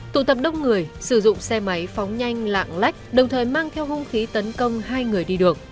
tụ tập đông người sử dụng xe máy phóng nhanh lạng lách đồng thời mang theo hung khí tấn công hai người đi đường